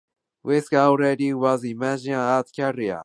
Whistler already was imagining an art career.